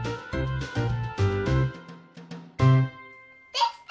できた！